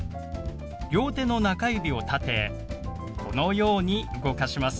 両手の中指を立てこのように動かします。